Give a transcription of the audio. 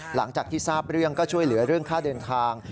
หลังจากที่ทราบเรื่องก็ช่วยเหลือเรื่องค่าเดินทาง